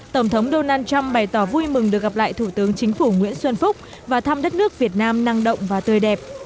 tổng thống donald trump bày tỏ vui mừng được gặp lại thủ tướng chính phủ nguyễn xuân phúc và thăm đất nước việt nam năng động và tươi đẹp